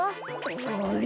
あれ？